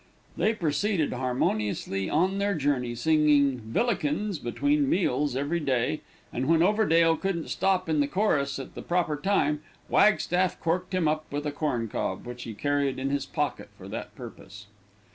They proceeded harmoniously on their journey, singing "Vilikins" between meals every day; and when Overdale couldn't stop in the chorus at the the proper time, Wagstaff corked him up with a corn cob, which he carried in his pocket for that purpose.